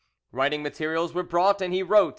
Writing materials were brought, and he wrote to M.